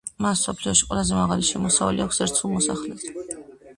მას მსოფლიოში ყველაზე მაღალი შემოსავალი აქვს ერთ სულ მოსახლეზე.